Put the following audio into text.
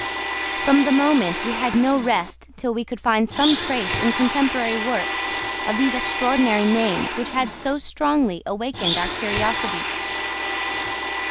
From that moment we had no rest till we could find some trace in contemporary works of these extraordinary names which had so strongly awakened our curiosity.